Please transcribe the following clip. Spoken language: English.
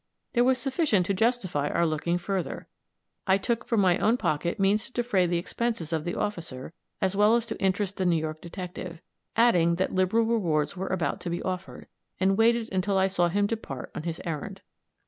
There was sufficient to justify our looking further. I took from my own pocket means to defray the expenses of the officer as well as to interest the New York detective, adding that liberal rewards were about to be offered, and waited until I saw him depart on his errand.